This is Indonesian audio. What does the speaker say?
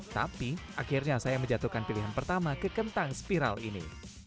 tapi akhirnya saya menjatuhkan pilihan pertama ke kentang spiral ini